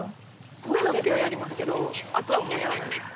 植えた時はやりますけどあとはもうやらないです。